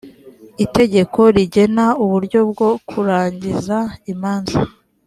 itegeko rigena uburyo bwo kurangiza imanza